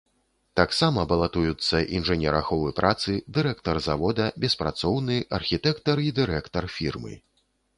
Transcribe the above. Таксама балатуюцца інжынер аховы працы, дырэктар завода, беспрацоўны, архітэктар і дырэктар фірмы.